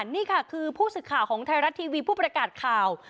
นี่ค่ะคือผู้สื่อข่าวของไทยรัฐทีวีผู้ประกาศข่าว